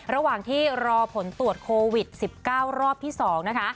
ระหว่างที่รอผลตรวจโควิด๑๙รอบที่๒นะคะ